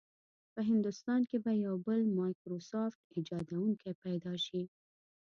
په هندوستان کې به یو بل مایکروسافټ ایجادونکی پیدا شي.